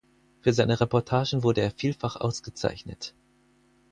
Für seine Reportagen wurde er vielfach ausgezeichnet.